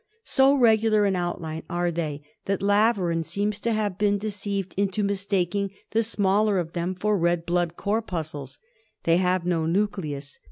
So regular in outline are they that Laveran seems to have been deceived into mistaking the smaller of them for red blood corpuscles. They have no nucleus.